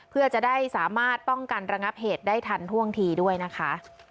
เพื่อจะได้สามารถป้องกันระงับเหตุได้ทันท่วงทีด้วยนะคะ